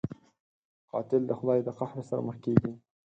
قاتل د خدای د قهر سره مخ کېږي